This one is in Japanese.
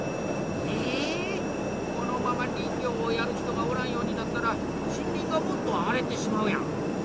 えこのまま林業をやる人がおらんようになったら森林がもっと荒れてしまうやん。